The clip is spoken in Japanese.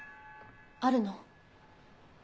あるの？